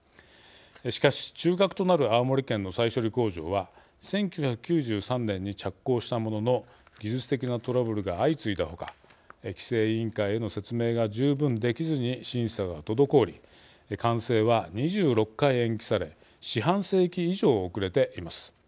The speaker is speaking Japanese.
しかし、中核となる青森県の再処理工場は１９９３年に着工したものの技術的なトラブルが相次いだ他規制委員会への説明が十分できずに審査が滞り完成は、２６回延期され四半世紀以上、遅れています。